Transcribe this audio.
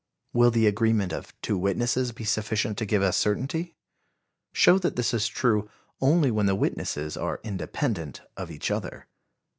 Will the agreement of two witnesses be sufficient to give us certainty? Show that this is true only when the witnesses are independent of each other.